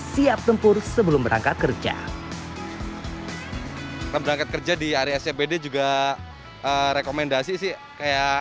siap tempur sebelum berangkat kerja berangkat kerja di area scbd juga rekomendasi sih kayak